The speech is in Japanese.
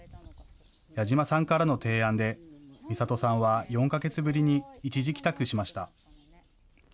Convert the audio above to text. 矢嶋さんからの提案でみさとさんは４か月ぶりに一時帰宅しました。